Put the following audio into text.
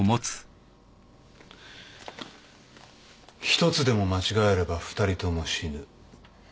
一つでも間違えれば二人とも死ぬ。